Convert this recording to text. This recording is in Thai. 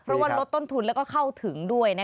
เพราะว่าลดต้นทุนแล้วก็เข้าถึงด้วย